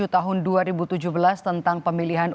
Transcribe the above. tahun dua ribu tujuh belas tentang pemilihan